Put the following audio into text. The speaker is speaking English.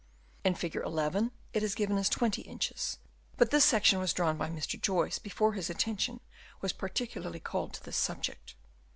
In Fig. 11, it is given as 20 inches, but this section was drawn by Mr. Joyce before his attention was particularly called to this subject.